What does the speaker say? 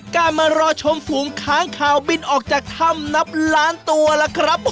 การมารอชมฝูงค้างข่าวบินออกจากถ้ำนับล้านตัวล่ะครับ